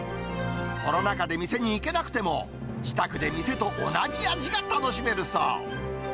コロナ禍で店に行けなくても、自宅で店と同じ味が楽しめるそう。